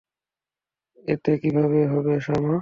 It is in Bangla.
এতে কীভাবে হবে, শামা?